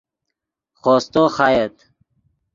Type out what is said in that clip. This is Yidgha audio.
خوستو خایتے